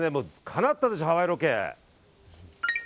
かなったでしょ、ハワイロケ。